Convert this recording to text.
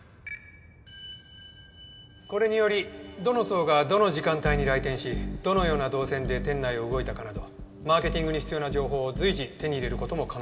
これによりどの層がどの時間帯に来店しどのような動線で店内を動いたかなどマーケティングに必要な情報を随時手に入れる事も可能となります。